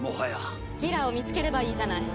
ギラを見つければいいじゃない。